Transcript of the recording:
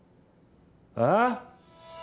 ああ？